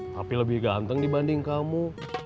tapi lebih ganteng dibanding kamu